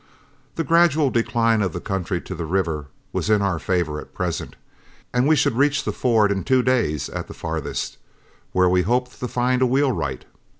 The gradual decline of the country to the river was in our favor at present, and we should reach the ford in two days at the farthest, where we hoped to find a wheelwright.